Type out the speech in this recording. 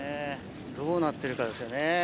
どうなってるかですよね。